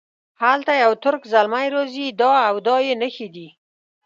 هلته یو ترک زلمی راځي دا او دا یې نښې دي.